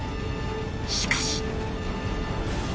しかし。